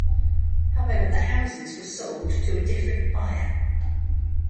However, the houses were sold to a different buyer.